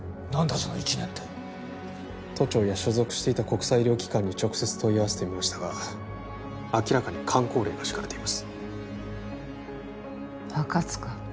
その１年って都庁や所属していた国際医療機関に直接問い合わせてみましたが明らかにかん口令が敷かれています赤塚？